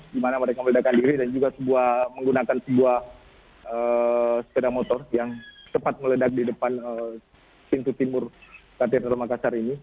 di mana mereka meledakan diri dan juga menggunakan sebuah sepeda motor yang tepat meledak di depan pintu timur katedral makassar ini